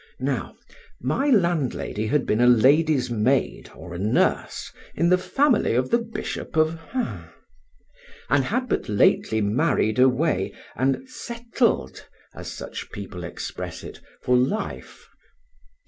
Now, my landlady had been a lady's maid or a nurse in the family of the Bishop of ——, and had but lately married away and "settled" (as such people express it) for life.